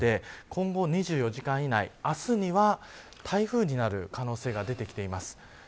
今から２４時間以内あすには台風になる可能性が出てきています。